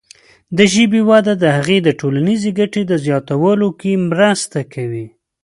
د ژبې وده د هغې د ټولنیزې ګټې په زیاتولو کې مرسته کوي.